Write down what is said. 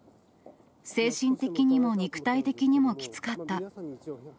精神的にも肉体的にもきつかった。